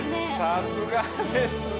さすがです。